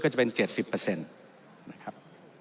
ก็จะเป็น๗๐นะครับ